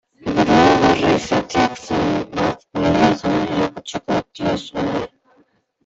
Burugogorra izateak zenbat balio duen erakutsiko diozue?